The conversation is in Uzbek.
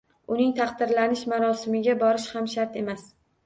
Uning taqdirlash marosimiga borishi ham shart emas.